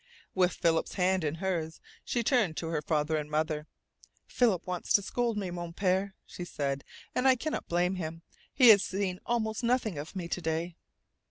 With Philip's hand in hers she turned to her father and mother. "Philip wants to scold me, Mon Pere," she said. "And I cannot blame him. He has seen almost nothing of me to day."